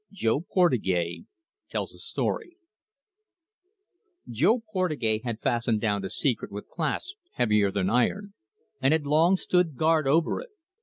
JO PORTUGAIS TELLS A STORY Jo Portugais had fastened down a secret with clasps heavier than iron, and had long stood guard over it.